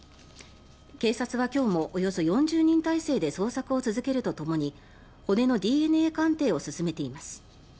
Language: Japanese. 警察は今日も４０人態勢で捜索を続けるとともに骨のＤＮＡ鑑定を進めています。